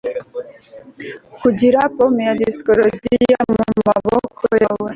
kugira pome ya Discordia mumaboko yawe